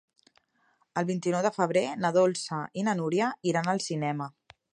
El vint-i-nou de febrer na Dolça i na Núria iran al cinema.